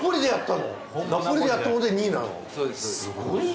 すごい。